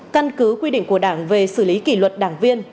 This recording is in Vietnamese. căn cứ quy định của đảng về xử lý kỷ luật đảng viên